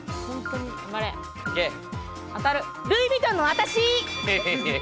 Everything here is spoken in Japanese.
ルイ・ヴィトンの私。